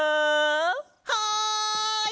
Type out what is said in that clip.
はい！